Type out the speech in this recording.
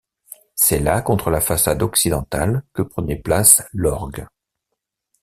C'est là contre la façade occidentale que prenait place l'orgue.